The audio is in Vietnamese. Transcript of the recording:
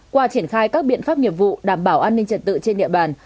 qua triển khai các biện pháp nghiệp vụ đảm bảo an ninh trật tự trên địa bàn